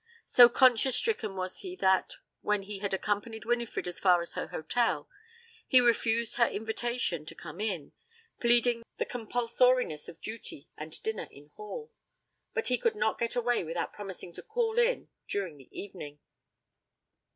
So conscience stricken was he that, when he had accompanied Winifred as far as her hotel, he refused her invitation to come in, pleading the compulsoriness of duty and dinner in Hall. But he could not get away without promising to call in during the evening.